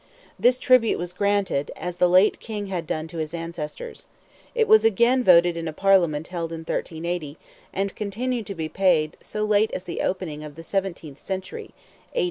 This tribute was granted, "as the late King had done to his ancestors;" it was again voted in a Parliament held in 1380, and continued to be paid so late as the opening of the seventeenth century (A.